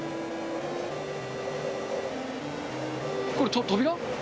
これ扉？